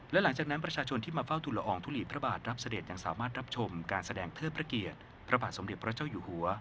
และหลังจากนั้นประชาชนที่มาเฝ้าทุลอองทุลีพระบาทรับเสด็จยังสามารถรับชมการแสดงเทิดพระเกียรติพระบาทสมเด็จพระเจ้าอยู่หัว